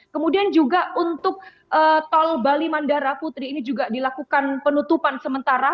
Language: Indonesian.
kemudian juga untuk tol bali mandara putri ini juga dilakukan penutupan sementara